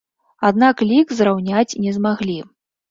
Аднак лік зраўняць не змаглі.